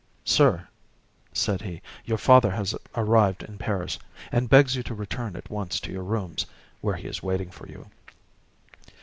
"Sir," said he, "your father has arrived in Paris, and begs you to return at once to your rooms, where he is waiting for you."